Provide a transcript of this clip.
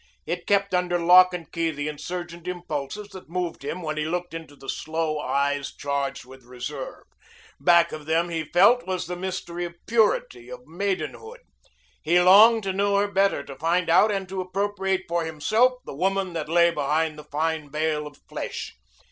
It kept under lock and key the insurgent impulses that moved him when he looked into the sloe eyes charged with reserve. Back of them, he felt, was the mystery of purity, of maidenhood. He longed to know her better, to find out and to appropriate for himself the woman that lay behind the fine veil of flesh.